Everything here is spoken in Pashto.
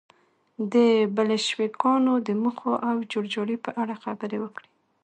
د بلشویکانو د موخو او جوړجاړي په اړه خبرې وکړي.